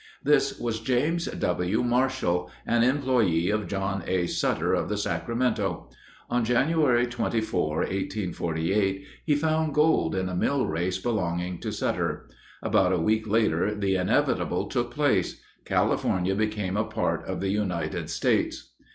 This was James W. Marshall, an employee of John A. Sutter of the Sacramento. On January 24, 1848, he found gold in a millrace belonging to Sutter. About a week later the inevitable took place. California became a part of the United States.